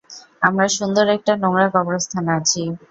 আমরা সুন্দর একটা নোংরা কবরস্থানে আছি।